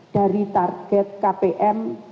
dari target kpm